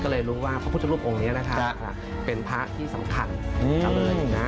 ก็เลยรู้ว่าพระพุทธรูปองค์นี้นะครับเป็นพระที่สำคัญเอาเลยนะ